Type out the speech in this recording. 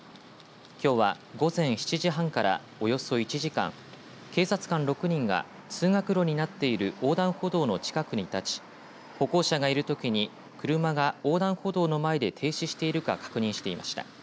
きょうは午前７時半からおよそ１時間警察官６人が通学路になっている横断歩道の近くに立ち歩行者がいるときに車が横断歩道の前で停止しているか確認していました。